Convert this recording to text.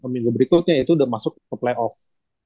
minggu berikutnya itu sudah masuk ke playoff